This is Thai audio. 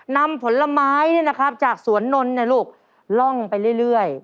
นำผลไม้จากสวนนนท์ล่องไปเรื่อย